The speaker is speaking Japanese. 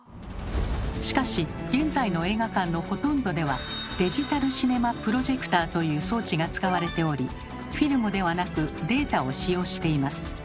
しかし現在の映画館のほとんどでは「デジタルシネマプロジェクター」という装置が使われておりフィルムではなくデータを使用しています。